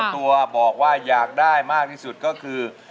ตัวบอกว่าอยากได้มากที่สุดก็คือ